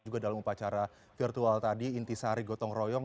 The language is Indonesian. juga dalam upacara virtual tadi inti sari gotong royong